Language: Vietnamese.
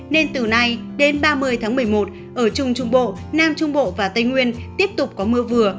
nên từ nay đến ba mươi tháng một mươi một ở trung trung bộ nam trung bộ và tây nguyên tiếp tục có mưa vừa